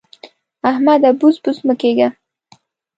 احمده! بوڅ بوڅ مه کېږه.